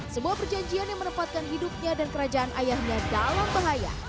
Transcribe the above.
sebuah perjanjian yang menempatkan hidupnya dan kerajaan ayahnya dalam bahaya